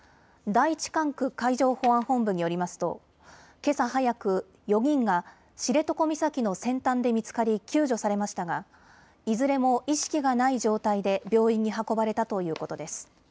第１管区海上保安本部によりますと、けさ早く４人が知床岬の先端で見つかり救助されましたがいずれも意識がない状態で病院に運ばれたということです。